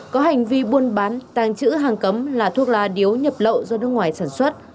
có hành vi buôn bán tàng trữ hàng cấm là thuốc lá điếu nhập lậu do nước ngoài sản xuất